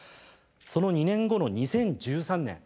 その２年後の２０１３年